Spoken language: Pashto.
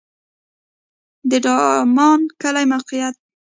د دامن کلی موقعیت